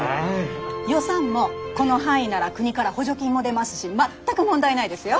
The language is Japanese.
予算もこの範囲なら国から補助金も出ますし全く問題ないですよ。